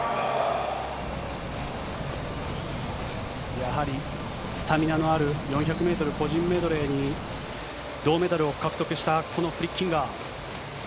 やはりスタミナのある４００メートル個人メドレーに銅メダルを獲得したこのフリッキンガー。